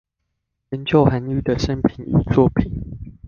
研究韓愈的生平與作品